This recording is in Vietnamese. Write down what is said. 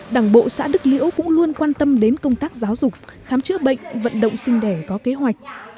đảng bộ xã đức liễu cũng luôn quan tâm đến công tác giáo dục khám chữa bệnh vận động sinh đẻ có kế hoạch